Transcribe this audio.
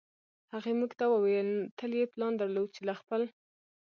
هغې موږ ته وویل تل یې پلان درلود چې له خپل